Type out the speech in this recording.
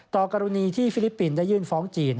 กรณีที่ฟิลิปปินส์ได้ยื่นฟ้องจีน